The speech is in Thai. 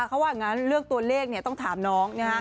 เขาว่าอย่างนั้นเรื่องตัวเลขต้องถามน้อง